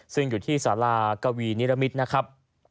ซึ่งอยู่ที่สารากวีนิรมิตรนะครับ